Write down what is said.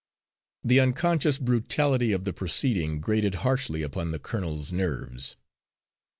The unconscious brutality of the proceeding grated harshly upon the colonel's nerves.